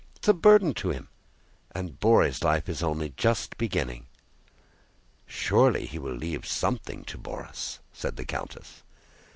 It's a burden to him, and Bóry's life is only just beginning...." "Surely he will leave something to Borís," said the countess.